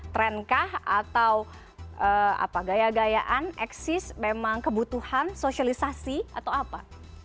trend kah atau apa gaya gayaan eksis memang kebutuhan sosialisasi atau apa